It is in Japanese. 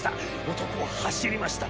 男は走りました。